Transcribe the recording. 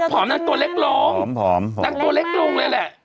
พี่เขาตัวผอมผอมมากนางตัวเล็กโรงเลยแหละ